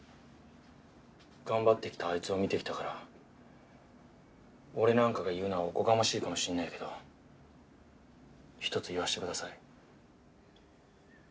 頑張ってきたあいつを見てきたから俺なんかが言うのはおこがましいかもしれないけど一つ言わせてください。